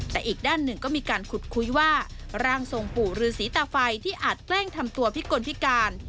แต่อีกด้านหนึ่งก็มีการขุดคุยว่าร่างทรงปู่ฤษีตาไฟที่อาจแกล้งทำตัวพิกลพิการ